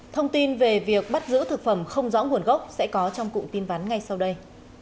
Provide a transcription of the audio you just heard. thông tin về việc bắt giữ thực phẩm không rõ nguồn gốc sẽ có trong cụm tin vắn ngay sau đây